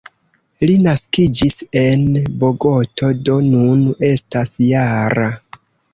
Li naskiĝis en Bogoto, do nun estas -jara.